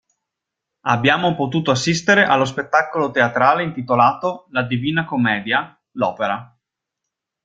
Abbiamo potuto assistere allo spettacolo teatrale intitolato "La Divina Commedia – L'opera".